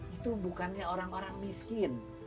itu bukannya orang orang miskin